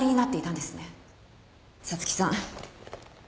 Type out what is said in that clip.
彩月さん